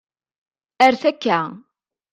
Rret akka